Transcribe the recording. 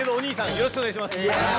よろしくお願いします。